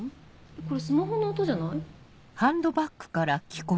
これスマホの音じゃない？